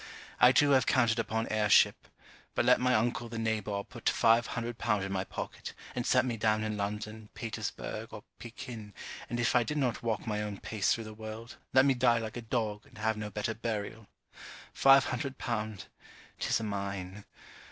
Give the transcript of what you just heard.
I too have counted upon heirship. But let my uncle the nabob put five hundred pound in my pocket, and set me down in London, Petersburg, or Pekin, and if I did not walk my own pace through the world, let me die like a dog, and have no better burial. Five hundred pound! 'Tis a mine.